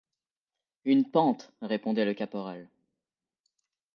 Une pente! répondait le caporal.